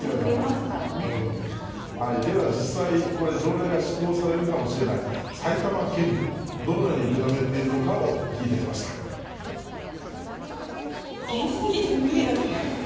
では、実際、これ条例が施行されるかもしれない埼玉県民、どのように受け止め現実的にちょっと無理だと思います。